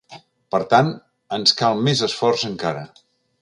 Per tant, ens cal més esforç encara.